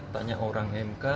tanya orang mk